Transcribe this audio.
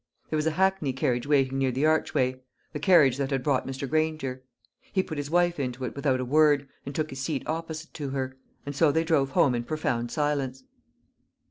There was a hackney carriage waiting near the archway the carriage that had brought Mr. Granger. He put his wife into it without a word, and took his seat opposite to her; and so they drove home in profound silence.